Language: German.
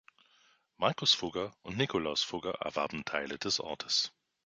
Marcus Fugger und Nikolaus Fugger erwarben Teile des Orts.